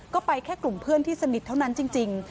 ก็ไปแค่กลุ่มเพื่อนที่สนิทเท่านั้นจริง